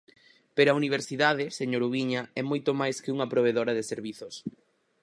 Pero a universidade, señor Ubiña, é moito máis que unha provedora de servizos.